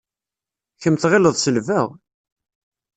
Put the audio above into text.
Kemm tɣileḍ selbeɣ?